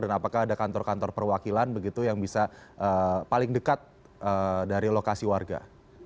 dan apakah ada kantor kantor perwakilan yang bisa paling dekat dari lokasi warga